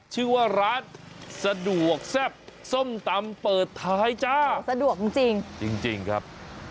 ชื่อว่าร้านสะดวกแซ่บส้มตำเปิดท้ายจ้าสะดวกจริงจริงครับ